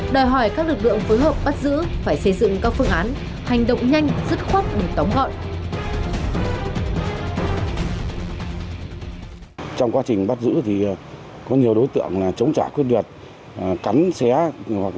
đòi hỏi các lực lượng phối hợp bắt giữ phải xây dựng các phương án hành động nhanh rất khuất để tống gọn